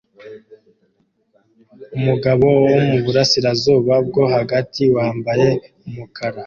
Umugabo wo muburasirazuba bwo hagati wambaye umukara